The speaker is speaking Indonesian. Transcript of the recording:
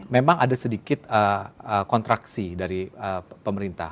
memang ada sedikit kontraksi dari pemerintah